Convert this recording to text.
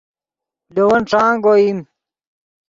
لے ون ݯانگ اوئیم